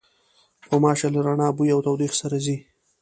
غوماشې له رڼا، بوی او تودوخې سره ځي.